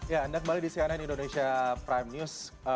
ya anda kembali di cnn indonesia prime news